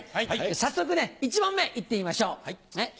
早速ね１問目行ってみましょう。